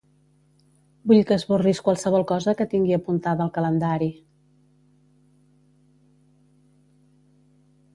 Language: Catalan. Vull que esborris qualsevol cosa que tingui apuntada al calendari.